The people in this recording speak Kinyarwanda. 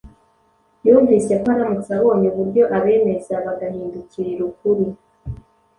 Yumvise ko aramutse abonye uburyo abemeza bagahindukirira ukuri;